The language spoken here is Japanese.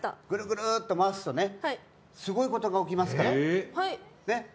グルグルッと回すとねすごいことが起きますから。